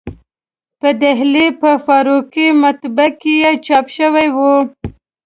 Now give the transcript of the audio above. په ډهلي په فاروقي مطبعه کې چاپ شوی و.